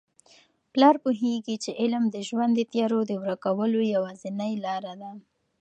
پلار پوهیږي چي علم د ژوند د تیارو د ورکولو یوازینۍ لاره ده.